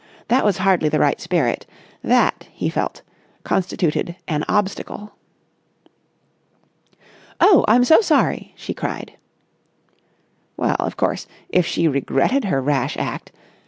That was hardly the right spirit. That, he felt, constituted an obstacle. "Oh, I'm so sorry!" she cried. Well, of course, if she regretted her rash act....